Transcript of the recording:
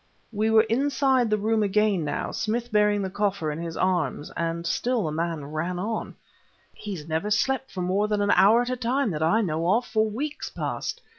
We were inside the room again now, Smith bearing the coffer in his arms, and still the man ran on: "He's never slept for more than an hour at a time, that I know of, for weeks past.